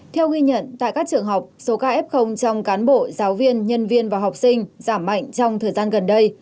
theo ghi nhận tại các trường học số ca f trong cán bộ giáo viên nhân viên và học sinh giảm mạnh trong thời gian gần đây